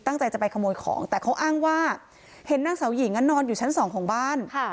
จะไปขโมยของแต่เขาอ้างว่าเห็นนางสาวหญิงนอนอยู่ชั้นสองของบ้าน